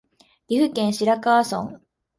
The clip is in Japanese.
岐阜県白川村